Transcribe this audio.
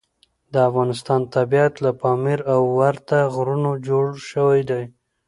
د افغانستان طبیعت له پامیر او ورته غرونو جوړ شوی دی.